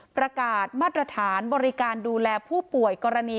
ประกาศมาตรฐานบริการดูแลผู้ป่วยกรณี